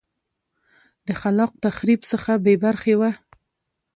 د خلاق تخریب څخه بې برخې وه